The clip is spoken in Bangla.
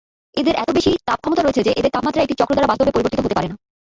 এদের এত বেশী তাপ ক্ষমতা রয়েছে যে এদের তাপমাত্রা একটি চক্র দ্বারা বাস্তবে পরিবর্তিত হতে পারেনা।